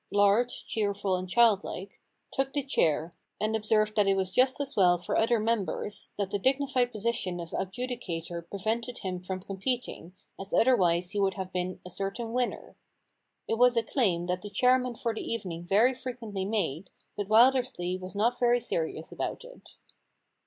— large, cheerful, and childlike — took the chair, and observed that it was just as well for other members that the dignified position of adjudicator prevented him from competing, as otherwise he would have been a certain winner. It was a claim that the chairman for the evening very fre quently made, but Wildersley was not very serious about it.